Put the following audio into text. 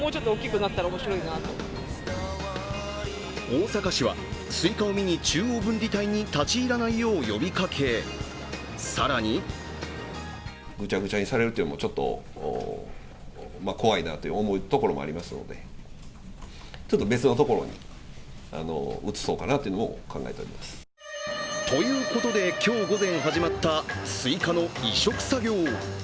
大阪市は、スイカを見に中央分離帯に立ち入らないように呼びかけ、更にということで、今日午前始まったスイカの移植作業。